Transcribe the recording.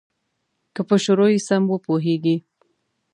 که په شروع یې سم وپوهیږې.